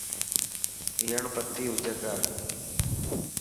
يڻ بتي جگا.